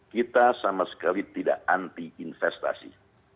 kita sama sekali tidak anti investasi